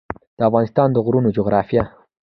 د افغانستان د غرونو جغرافیه